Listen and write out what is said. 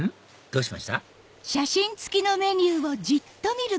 どうしました？